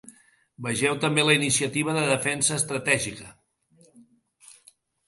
Vegeu també la iniciativa de defensa estratègica.